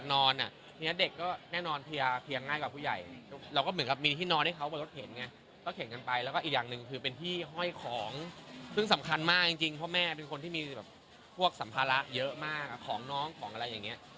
คือแม่เขาเป็นคนที่ดูแลน้องโดยตรงแล้วก็คุณครูเขาเป็นครูประจำชั้นของน้องอะไรอย่างเงี้ย